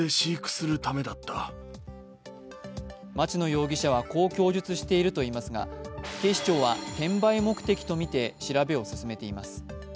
町野容疑者はこう供述しているといいますが、警視庁は、転売目的とみて調べを進めています。